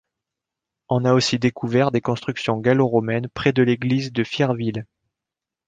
On a aussi découvert des constructions gallo-romaines près de l’église de Fierville.